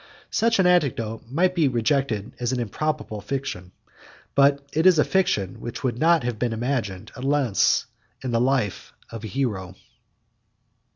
Such an anecdote may be rejected as an improbable fiction; but it is a fiction which would not have been imagined, unless in the life of a hero.